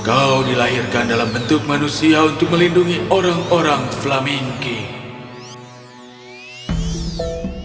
kau dilahirkan dalam bentuk manusia untuk melindungi orang orang flamingki